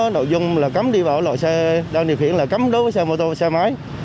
nội dung là cấm đi vào loại xe đang điều khiển là cấm đối với xe máy